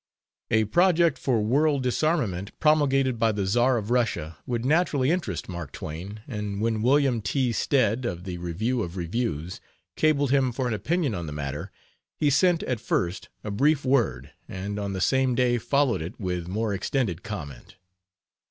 A project for world disarmament promulgated by the Czar of Russia would naturally interest Mark Twain, and when William T. Stead, of the Review of Reviews, cabled him for an opinion on the matter, he sent at first a brief word and on the same day followed it with more extended comment.